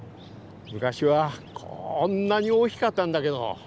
昔はこんなに大きかったんだけど。